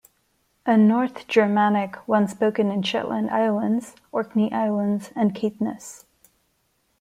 A North Germanic once spoken in Shetland Islands, Orkney Islands and Caithness.